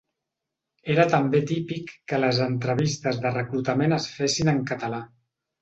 Era també típic que les entrevistes de reclutament es fessin en català.